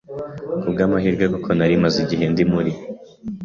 kubwa’amahirwe kuko nari maze igihe ndi muri